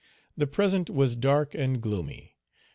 Page 204 The present was dark and gloomy.